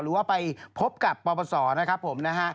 หรือว่าไปพบกับพศนะครับผม